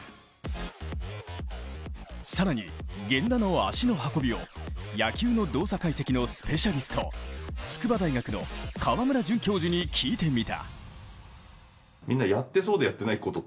更に源田の足の運びを野球の動作解析のスペシャリスト筑波大学の川村准教授に聞いてみた。